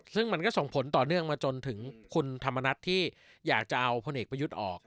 ซึ่งมันก็ส่งผลต่อเนื่องมาจนถึงคุณธรรมนัฐที่อยากจะเอาพลเอกประยุทธ์ออก